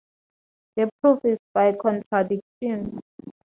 The proof is by contradiction.